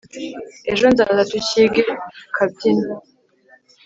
ejo nzaza tukige tukabyine